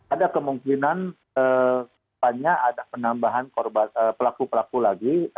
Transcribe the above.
ada kemungkinan banyak ada penambahan pelaku pelaku lagi